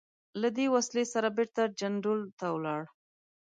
له دې وسلې سره بېرته جندول ته ولاړ.